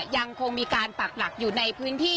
ยังคงมีการปักหลักอยู่ในพื้นที่